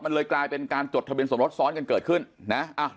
มันเลยกลายเป็นการจดทะเบียนสมรสซ้อนกันเกิดขึ้นนะ